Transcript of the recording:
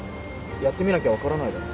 やってみなきゃ分からないだろ。